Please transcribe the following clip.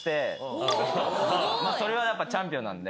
それはやっぱチャンピオンなんで。